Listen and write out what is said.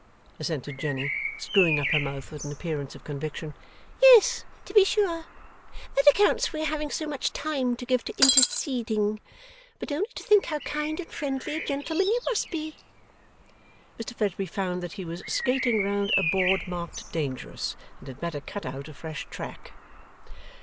assented Jenny, screwing up her mouth with an appearance of conviction. 'Yes, to be sure! That accounts for your having so much time to give to interceding. But only to think how kind and friendly a gentleman you must be!' Mr Fledgeby found that he was skating round a board marked Dangerous, and had better cut out a fresh track.